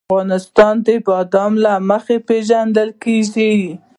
افغانستان د بادام له مخې پېژندل کېږي.